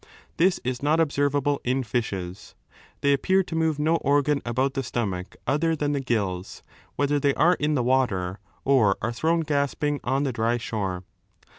This is not observable in fishes. They appear to move no organ about the stomach other than the gills^ whether they are in the water or are thrown gasping on 3 the dry shore.